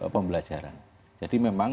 pembelajaran jadi memang